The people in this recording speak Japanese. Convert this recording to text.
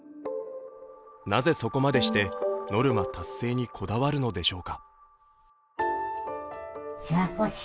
なぜそこまでしてノルマ達成にこだわるのでしょうか。